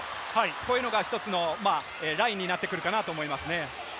こういうのが１つのラインになってくるかと思いますね。